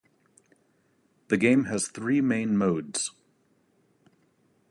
The game has three main modes.